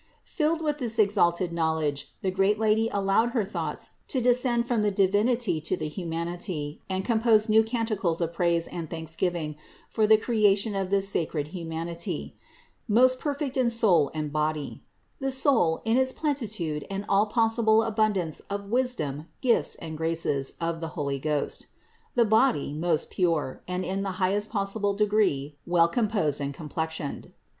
626. Filled with this exalted knowledge, the great Lady allowed her thoughts to descend from the Divinity to the humanity and composed new canticles of praise and thanksgiving for the creation of this sacred humanity, most perfect in soul and body : the soul, in its plenitude and all possible abundance of wisdom, gifts and graces of the Holy Ghost; the body, most pure, and in the highest possible degree well composed and complexioned.